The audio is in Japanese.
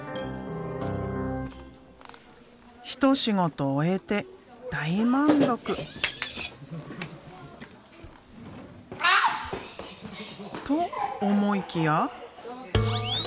一仕事終えて大満足！と思いきや。